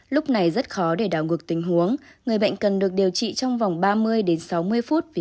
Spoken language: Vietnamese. lúc này rất khó để đảo ngược tình huống người bệnh cần được điều trị trong vòng ba mươi đến sáu mươi phút vì có thể gây tử vong